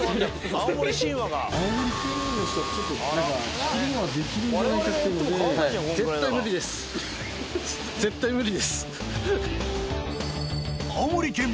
青森県民の人利きりんごができるんじゃないかっていうので。